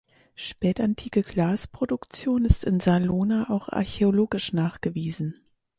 Spätantike Glasproduktion ist in Salona auch archäologisch nachgewiesen.